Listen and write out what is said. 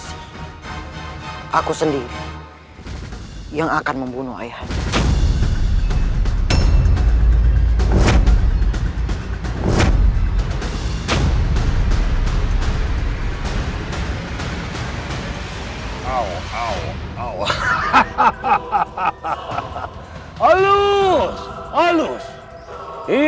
jika ditambah kamu melukai ku sekali lagi